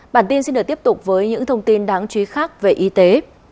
bản tin xin được tiếp tục với những thông tin đáng chú ý khác về y tế